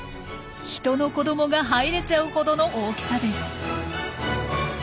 人の子どもが入れちゃうほどの大きさです。